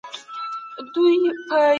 مرتد هم د ژوند له حق څخه محرومېږي.